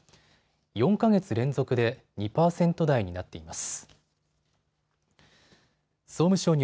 ４か月連続で２％台になっています。